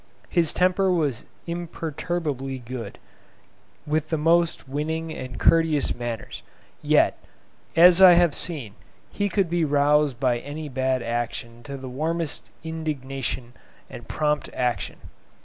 His temper was imperturbably good, with the most winning and courteous manners; yet, as I have seen, he could be roused by any bad action to the warmest indignation and prompt action.